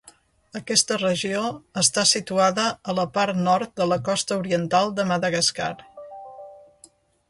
Aquesta regió està situada a la part nord de la costa oriental de Madagascar.